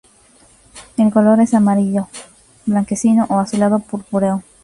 El color es amarillo, blanquecino o azulado-purpúreo.